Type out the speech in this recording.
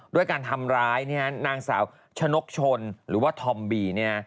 ด้วยการทำร้ายนางสาวชะนกชนหรือว่าธอมบี